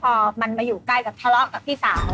พอมันมาอยู่ใกล้กับทะเลาะกับพี่สาว